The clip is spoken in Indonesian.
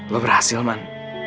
lu berhasil man